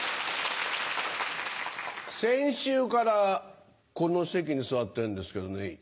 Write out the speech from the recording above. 先週からこの席に座ってんですけどね